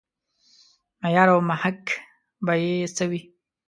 معیار او محک به یې څه وي.